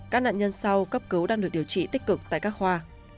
các nạn nhân sau cấp cứu đang được điều trị tích cực tại các khoa